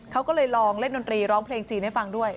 เขาก็เลยลองเล่นดนตรีร้องเพลงจีนให้ฟังด้วย